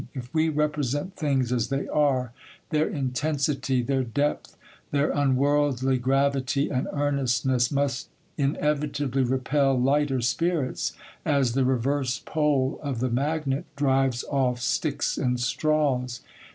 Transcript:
If we represent things as they are, their intensity, their depth, their unworldly gravity and earnestness, must inevitably repel lighter spirits, as the reverse pole of the magnet drives off sticks and straws.